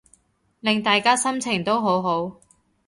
令大家心情都好好